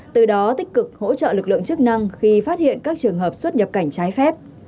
từ đó tích cực hỗ trợ lực lượng chức năng khi phát hiện các trường hợp xuất nhập cảnh trái phép